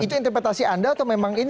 itu interpretasi anda atau memang ini